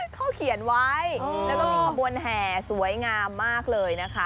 เขาเขียนไว้แล้วก็มีขบวนแห่สวยงามมากเลยนะคะ